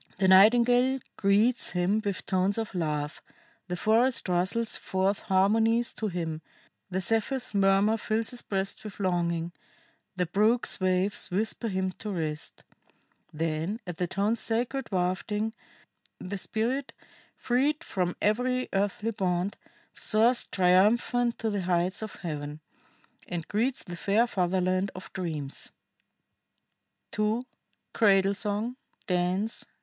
The nightingale greets him with tones of love, the forest rustles forth harmonies to him, the Zephyr's murmur fills his breast with longing, the brook's waves whisper him to rest. Then, at the tones' sacred wafting, the spirit, freed from every earthly bond, soars triumphant to the heights of Heaven, and greets the fair fatherland of dreams." [II. CRADLE SONG. DANCE.